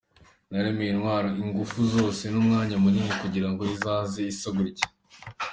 Naremeye intwara ingufu zose n’umwanya munini kugira ngo izaze isa gutya.